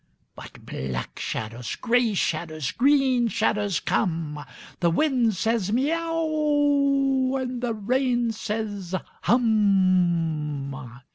But black shadows, grey shadows, green shadows come. The wind says, " Miau !" and the rain says, « Hum